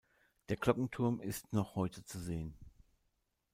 Der Glockenturm ist noch heute zu sehen.